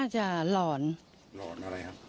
น่าจะหลอนหลอนยานี่แหละ